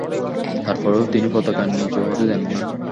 তারপরেও তিনি পতাকা নিচু হতে দেন না।